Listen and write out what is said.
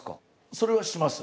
それはします。